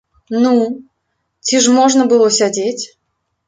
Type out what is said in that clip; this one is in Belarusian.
Ну, ці ж можна было сядзець?